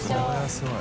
すごい。